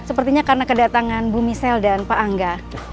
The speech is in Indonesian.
sepertinya karena kedatangan bu misel dan pak angga